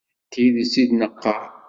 D tidet i d-neqqar.